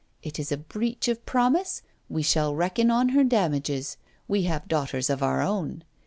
Is it a Breach of Promise? She may reckon on her damages: we have daughters of our own.